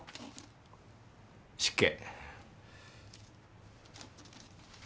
失敬。